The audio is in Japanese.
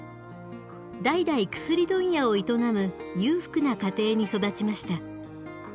代々薬問屋を営む裕福な家庭に育ちました。